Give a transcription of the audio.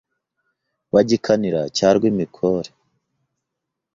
Wa Gikanira cya Rwimikore